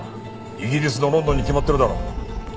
イギリスのロンドンに決まってるだろ。